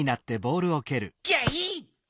ギャイ！